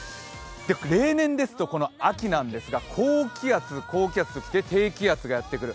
例年ですと、この秋なんですが高気圧、高気圧ときて、低気圧がやってくる。